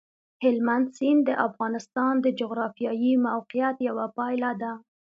هلمند سیند د افغانستان د جغرافیایي موقیعت یوه پایله ده.